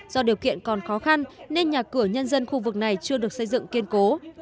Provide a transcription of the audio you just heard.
do điều kiện còn khó khăn nên nhà cửa nhân dân khu vực này chưa được xây dựng kiên cố